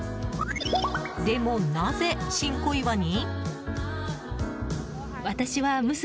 でも、なぜ新小岩に？